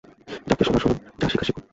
যাকে শোনার শোনান, যা শিখার শিখুন।